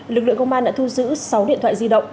lực lượng công an đã thu giữ sáu điện thoại di động